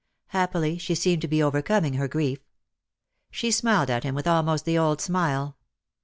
Happily, she seemed to be overcoming her grief. She smiled at him with almost the old smile.